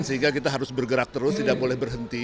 sehingga kita harus bergerak terus tidak boleh berhenti